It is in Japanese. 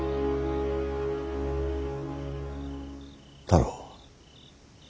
太郎。